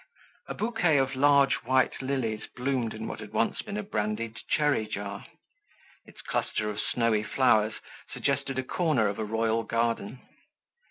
A bouquet of large white lilies bloomed in what had once been a brandied cherry jar. Its cluster of snowy flowers suggested a corner of a royal garden.